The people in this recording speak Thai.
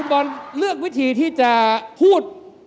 บอลเลือกวิธีที่จะพูด